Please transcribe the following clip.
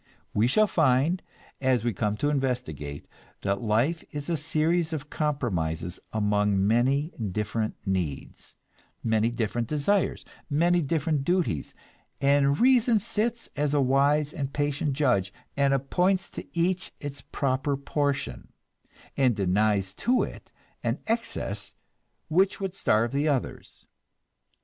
We shall find, as we come to investigate, that life is a series of compromises among many different needs, many different desires, many different duties; and reason sits as a wise and patient judge, and appoints to each its proper portion, and denies to it an excess which would starve the others.